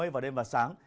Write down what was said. và đêm và sáng